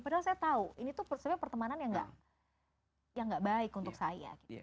padahal saya tahu ini tuh sebenarnya pertemanan yang gak baik untuk saya